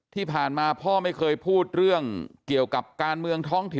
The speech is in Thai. ที่ผ่านมาพ่อไม่เคยพูดเรื่องเกี่ยวกับการเมืองท้องถิ่น